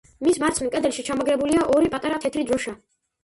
მის მარცხნივ კედელში ჩამაგრებულია ორი პატარა თეთრი დროშა.